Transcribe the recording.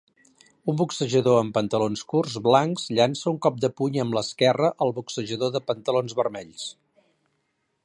Un boxejador amb pantalons curts blancs llança un cop de puny amb l'esquerra al boxejador dels pantalons vermells.